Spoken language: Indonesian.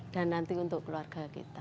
dan nanti untuk keluarga